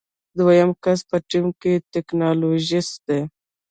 دوهم کس په ټیم کې ټیکنالوژیست دی.